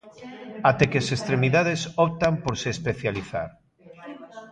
Até que as extremidades optan por se especializar.